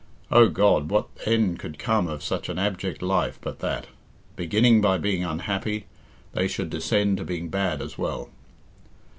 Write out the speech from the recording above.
Oh, God, what end could come of such an abject life but that, beginning by being unhappy, they should descend to being bad as well?